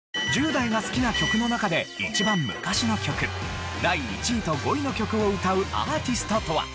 １０代が好きな曲の中で一番昔の曲第１位と５位の曲を歌うアーティストとは？